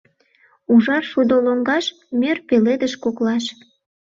Ужар шудо лоҥгаш, мӧр пеледыш коклаш